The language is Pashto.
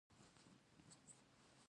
ودرېږه چېري مو بیایې ؟